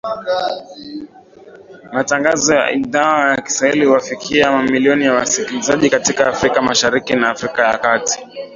Matangazo ya Idhaa ya Kiswahili huwafikia mamilioni ya wasikilizaji katika Afrika Mashariki na Afrika ya kati.